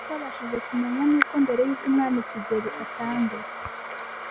Amakuru twabashije kumenya n’uko mbere y’uko Umwami Kigeli " Atanga"